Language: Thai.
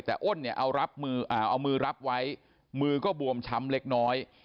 แต่อ้นเนี่ยเอามือรับไว้มือก็บวมช้ำเล็กน้อย